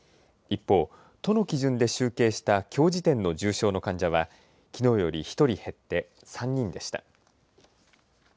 一方、都の基準で集計したきょう時点の重症の患者は、きのうより１人減って３人でした。